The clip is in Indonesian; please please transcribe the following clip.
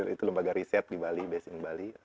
itu lembaga riset di bali based in bali